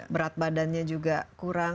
berat badannya juga kurang